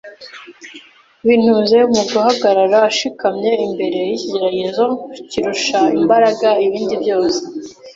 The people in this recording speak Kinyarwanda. bintuze mu guhagarara ashikamye imbere y’ikigeragezo kirusha imbaraga ibindi byose